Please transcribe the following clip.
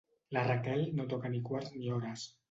La Raquel no toca ni quarts ni hores.